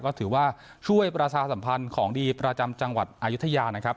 ก็ถือว่าช่วยประชาสัมพันธ์ของดีประจำจังหวัดอายุทยานะครับ